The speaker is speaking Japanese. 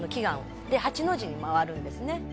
「で８の字に回るんですね」